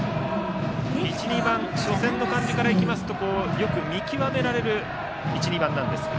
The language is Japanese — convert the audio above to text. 初戦の感じからいきますとよく見極められる１、２番なんですが。